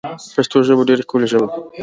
پشتو ژبه ډېره ښکولي ژبه ده